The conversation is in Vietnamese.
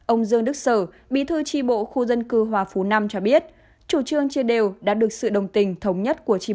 ông dương đức sở bí thư tri bộ khu dân cư hòa phú năm cho biết chủ trương chia đều đã được sự đồng tình